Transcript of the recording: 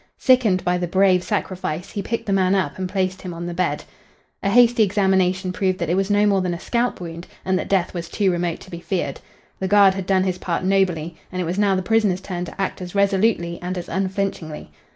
Sickened by the brave sacrifice, he picked the man up and placed him on the bed. A hasty examination proved that it was no more than a scalp wound, and that death was too remote to be feared. The guard had done his part nobly, and it was now the prisoner's turn to act as resolutely and as unflinchingly.